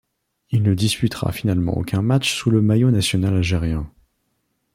Il ne disputera finalement aucun match sous le maillot national algérien.